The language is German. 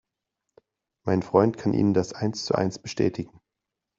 Mein Freund kann Ihnen das eins zu eins bestätigen.